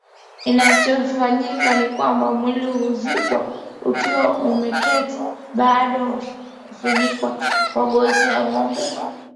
Kinachofanyika ni kwamba mwili huzikwa ukiwa umeketi baada ya kufunikwa kwa ngozi ya ngombe